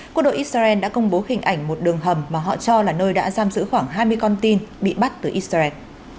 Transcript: quân đội israel đã công bố hình ảnh một đường hầm mà họ cho là nơi đã giam giữ khoảng hai mươi con tin bị bắt từ israel